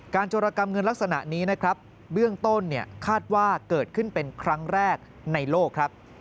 โจรกรรมเงินลักษณะนี้นะครับเบื้องต้นคาดว่าเกิดขึ้นเป็นครั้งแรกในโลกครับ